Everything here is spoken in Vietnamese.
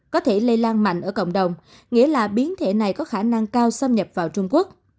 có thể lây lan mạnh ở cộng đồng nghĩa là biến thể này có khả năng cao xâm nhập vào trung quốc